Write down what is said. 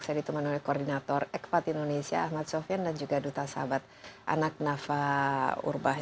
saya diteman oleh koordinator ekpat indonesia ahmad sofian dan juga duta sahabat anak nafa urbah